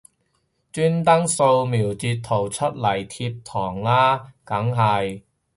專登掃瞄截圖出嚟貼堂啦梗係